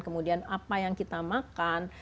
kemudian apa yang kita makan